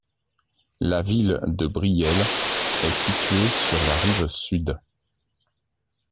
La ville de Brielle est située sur la rive sud.